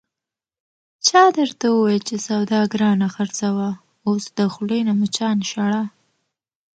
چا درته ویل چې سودا گرانه خرڅوه، اوس د خولې نه مچان شړه...